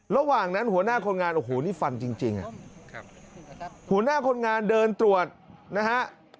ระหว่างนั้นหัวหน้าคนงานโอ้โหนี่ฟันจริงหัวหน้าคนงานเดินตรวจนะฮะ